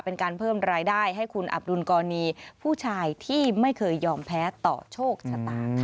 เป็นการเพิ่มรายได้ให้คุณอับดุลกรณีผู้ชายที่ไม่เคยยอมแพ้ต่อโชคชะตาค่ะ